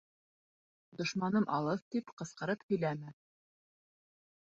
Дошманым алыҫ тип ҡысҡырып һөйләмә: